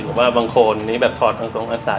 หรือว่าบางคนนี้แบบทอดอังสงฆ์อาศาสตร์